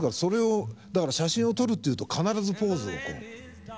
ですから写真を撮るっていうと必ずポーズをこう。